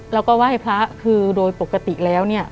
แล้วก็ไหว้พระคือโดยปกติแล้วเนี่ย